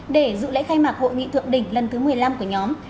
để dự lễ khai mạc hội nghị thượng đỉnh lần thứ một mươi năm của nhóm